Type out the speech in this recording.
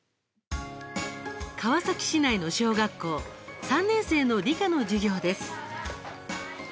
川崎市内の小学校３年生の理科の授業です。